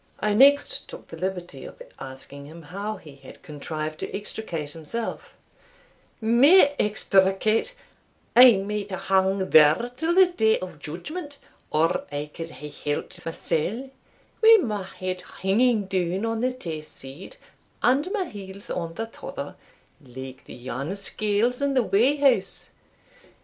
I next took the liberty of asking him how he had contrived to extricate himself. "Me extricate! I might hae hung there till the day of judgment or I could hae helped mysell, wi' my head hinging down on the tae side, and my heels on the tother, like the yarn scales in the weigh house.